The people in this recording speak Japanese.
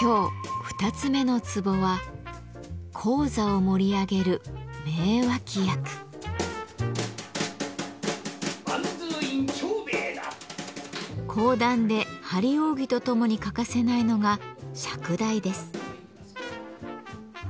今日二つ目のツボは講談で張り扇とともに欠かせないのが釈台です。